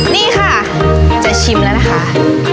นี่ค่ะจะชิมแล้วนะคะ